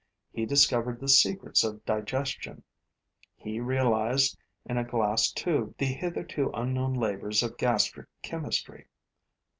He discovered the secrets of digestion; he realized in a glass tube the hitherto unknown labors of gastric chemistry.